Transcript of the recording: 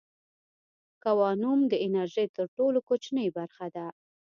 کوانوم د انرژۍ تر ټولو کوچنۍ برخه ده.